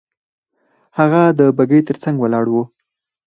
هغه د بګۍ تر څنګ ولاړ وو.